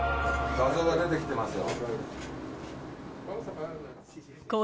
画像が出てきてますよ